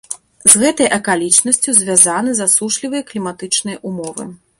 З гэтай акалічнасцю звязаны засушлівыя кліматычныя ўмовы.